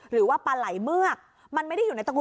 หรือว่าปลาไหล้เมือง